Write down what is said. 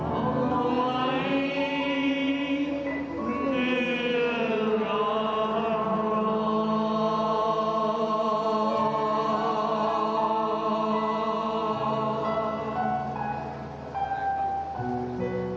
จงสร้างรักเราให้มีพลังเพราะการกลับมา